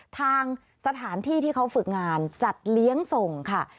ทางสถานที่ที่เขาฝึกงานจัดเลี้ยงส่งค่ะ